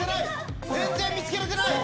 全然見つけれてない！